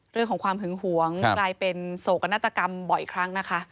เรื่องของความหึงหวงกลายเป็นโศกนาฏกรรมบ่อยครั้งนะคะ